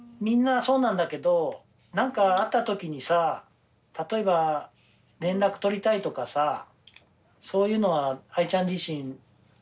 みんなそうなんだけど何かあった時にさ例えば連絡取りたいとかさそういうのはアイちゃん自身